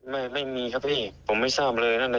ไม่มีครับพี่ผมไม่ทราบเลย